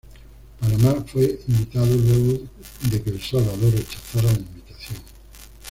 Panamá fue invitado luego de que El Salvador rechazara la invitación.